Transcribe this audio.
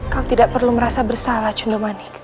kau tidak perlu merasa bersalah cendermani